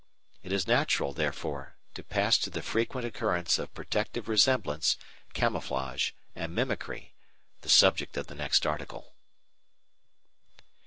It is natural, therefore, to pass to the frequent occurrence of protective resemblance, camouflage, and mimicry the subject of the next article.